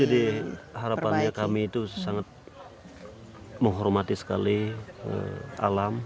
jadi harapannya kami itu sangat menghormati sekali alam